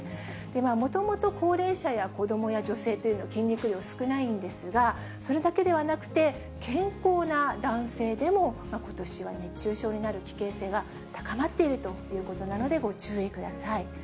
もともと高齢者や子どもや女性というのは、筋肉量少ないんですが、それだけではなくて、健康な男性でもことしは熱中症になる危険性が高まっているということなので、ご注意ください。